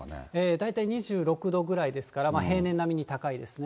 大体２６度ぐらいですから、平年並みに高いですね。